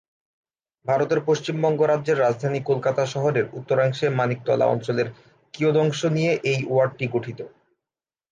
ভারতের পশ্চিমবঙ্গ রাজ্যের রাজধানী কলকাতা শহরের উত্তরাংশে মানিকতলা অঞ্চলের কিয়দংশ নিয়ে এই ওয়ার্ডটি গঠিত।